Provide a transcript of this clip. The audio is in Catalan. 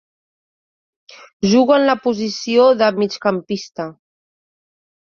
Juga en la posició de migcampista.